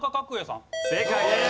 正解です。